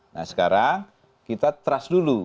nah sekarang kita trust dulu